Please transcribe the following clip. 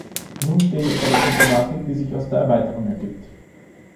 Nun stehen wir vor der Problematik, die sich aus der Erweiterung ergibt.